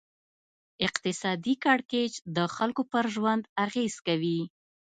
اقتصادي کړکېچ د خلکو پر ژوند اغېز کوي.